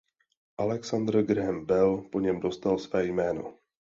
Alexander Graham Bell po něm dostal své jméno.